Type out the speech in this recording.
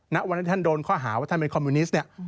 ณวันนี้ท่านโดนค่าหาว่าท่านเป็นคอมมิวนิสต์